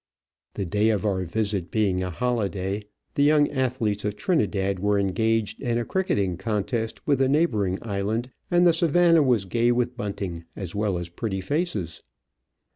The day of our visit being a holiday, the young athletes of Trinidad were engaged in a cricketing contest with a neighbouring island and the Savanna was gay with bunting, as well as pretty faces.